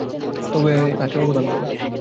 তবে অবধান করো।